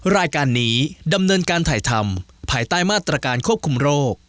รายการนี้ดำเนินการถ่ายทำภายใต้มาตรการควบคุมโรค